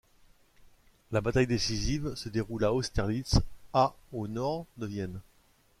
La bataille décisive se déroule à Austerlitz, à au nord de Vienne.